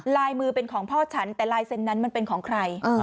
ลายมือเป็นของพ่อฉันแต่ลายเซ็นต์นั้นมันเป็นของใคร